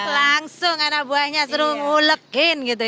langsung anak buahnya seru ngulekin gitu ya